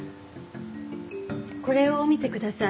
これを見てください。